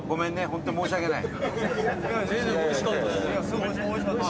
本当、申し訳ない。